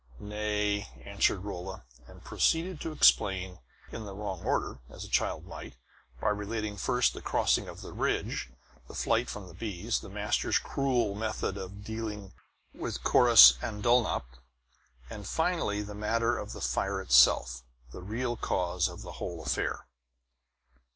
"Nay," answered Rolla, and proceeded to explain, in the wrong order, as a child might, by relating first the crossing of the ridge, the flight from the bees, the "masters'" cruel method of dealing with Corrus and Dulnop, and finally the matter of the fire itself, the real cause of the whole affair.